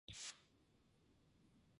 道程は遠し